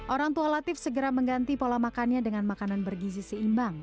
orang tua latif segera mengganti pola makannya dengan makanan bergizi seimbang